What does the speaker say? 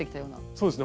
そうですね。